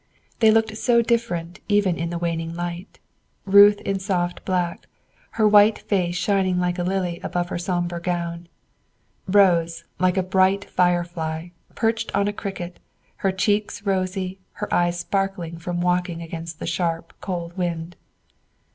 They looked so different even in the waning light, Ruth in soft black, her white face shining like a lily above her sombre gown, Rose, like a bright firefly, perched on a cricket, her cheeks rosy, her eyes sparkling from walking against the sharp, cold wind.